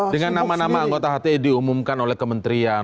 dengan nama nama anggota hti diumumkan oleh kementerian